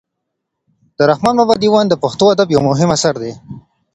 د رحمان بابا دېوان د پښتو ادب یو مهم اثر دی.